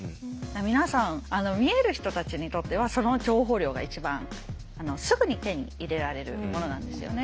皆さん見える人たちにとってはその情報量が一番すぐに手に入れられるものなんですよね。